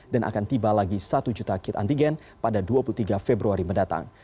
dan akan tiba lagi satu juta kit antigen pada dua puluh tiga februari mendatang